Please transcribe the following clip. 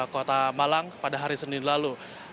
kota malang pada hari senin lalu